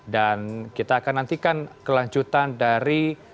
dan kita akan nantikan kelanjutan dari